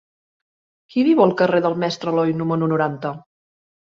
Qui viu al carrer del Mestre Aloi número noranta?